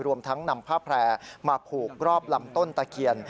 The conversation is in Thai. รวมทั้งนำผ้าแพร่มาผูกรอบลำต้นตะเคียน